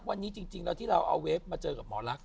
วันนี้จริงแล้วที่เราเอาเวฟมาเจอกับหมอลักษ